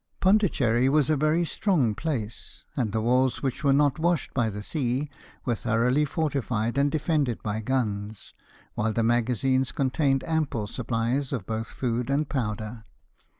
Pondicherry was a very strong place and the walls which were not washed by the sea were thoroughly fortified and defended by guns, while the magazines contained ample supplies both of food and powder.